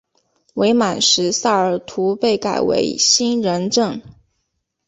伪满时萨尔图被改为兴仁镇。